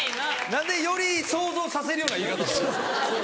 何でより想像させるような言い方するんですか。